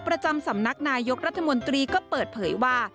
ประจำสำนักนายกรัฐมนตรีก็เปิดเผยว่า